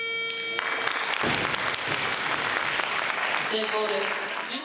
成功です